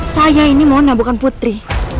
saya ini mona bukan putri